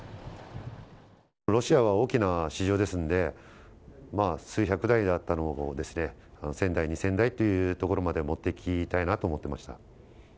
ロシアは大きな市場ですんで、数百台だったものを１０００台、２０００台っていうところまでもっていきたいなと思っていました。